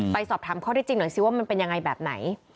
ไปสอบถามข้อที่จริงหน่อยสิว่ามันเป็นยังไงแบบไหน